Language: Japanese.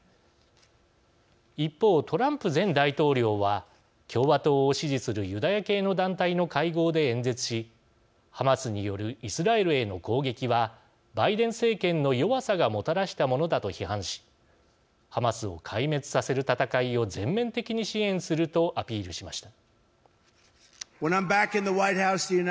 一方、トランプ前大統領は共和党を支持するユダヤ系の団体の会合で演説しハマスによるイスラエルへの攻撃はバイデン政権の弱さがもたらしたものだと批判しハマスを壊滅させる戦いを全面的に支援するとアピールしました。